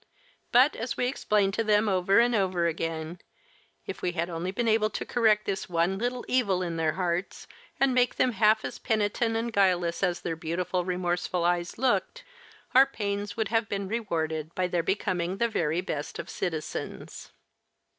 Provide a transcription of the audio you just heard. But, as we explained to them over and over again, if we had only been able to correct this one little evil in their hearts and make them half as penitent and guileless as their beautiful, remorseful eyes looked, our pains would have been rewarded by their becoming the very best of citizens.